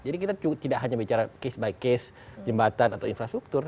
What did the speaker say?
jadi kita tidak hanya bicara case by case jembatan atau infrastruktur